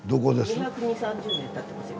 ２２０２３０年たってますよ